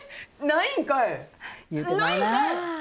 ないんかい！